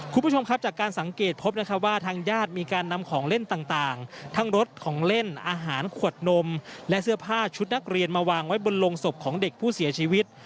คุณผู้ชมครับจากการสังเกตพบนะครับว่าทางญาติมีการนำของเล่นต่างทั้งรถของเล่นอาหารขวดนมและเสื้อผ้าชุดนักเรียนมาวางไว้บนลงศพของเด็กผู้เสียชีวิต